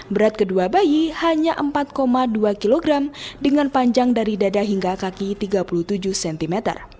berat kedua bayi hanya empat dua kg dengan panjang dari dada hingga kaki tiga puluh tujuh cm